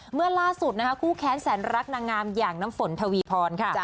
เมื่อล่าสุดนะคะคู่แค้นแสนรักนางงามอย่างน้ำฝนทวีพรค่ะ